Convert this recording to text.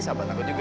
sahabat aku juga